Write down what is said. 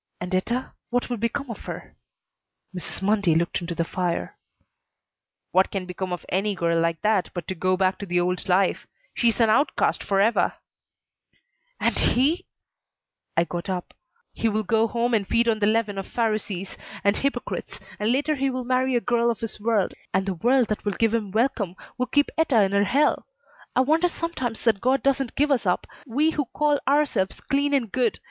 "And Etta what will become of her?" Mrs. Mundy looked into the fire. "What can become of any girl like that but to go back to the old life? She's an outcast forever." "And he " I got up. All the repression of past ages was breaking into revolt. "He will go home and feed on the leaven of Pharisees and hypocrites, and later he will marry a girl of his world, and the world that will give him welcome will keep Etta in her hell. I wonder sometimes that God doesn't give us up we who call ourselves clean and good!